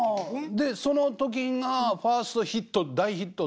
でその時がファーストヒット大ヒットっていうのが。